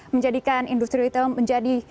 menjadikan industri retail menjadi